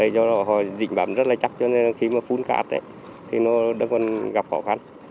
do họ dính bám rất là chắc cho nên khi mà phun cát thì nó đơn gần gặp khó khăn